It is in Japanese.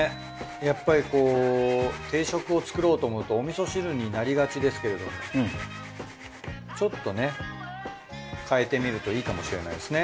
やっぱり定食を作ろうと思うとお味噌汁になりがちですけどちょっとね変えてみるといいかもしれないですね。